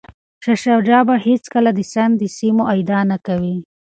شاه شجاع به هیڅکله د سند د سیمو ادعا نه کوي.